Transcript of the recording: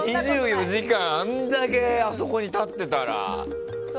２４時間、あれだけあそこに立ってたら。